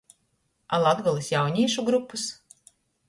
A Latgolys jaunīšu grupys?